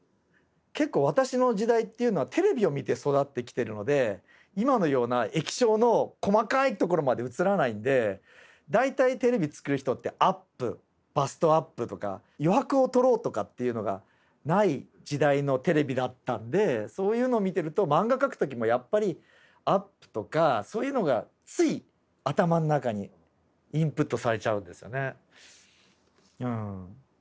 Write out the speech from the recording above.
結構私の時代っていうのはテレビを見て育ってきてるので今のような液晶の細かいところまで映らないんで大体テレビつくる人ってアップバストアップとか余白をとろうとかっていうのがない時代のテレビだったんでそういうのを見てるとマンガ描く時もやっぱりアップとかそういうのがつい頭の中にインプットされちゃうんですよね。